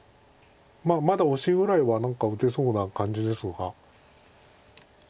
まだオシぐらいは何か打てそうな感じでしょうか。